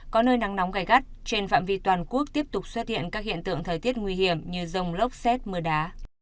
có nơi nắng nóng gai gắt trên phạm vi toàn quốc tiếp tục xuất hiện các hiện tượng thời tiết nguy hiểm như rông lốc xét mưa đá